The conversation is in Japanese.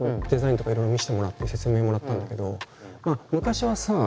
デザインとかいろいろ見せてもらって説明もらったんだけど昔はさ